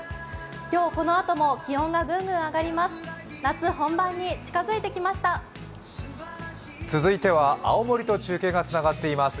今日このあとも気温がぐんぐん上がります。